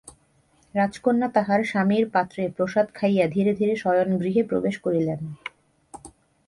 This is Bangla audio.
রাজকন্যা তাহার স্বামীর পাত্রে প্রসাদ খাইয়া ধীরে ধীরে শয়নগৃহে প্রবেশ করিলেন।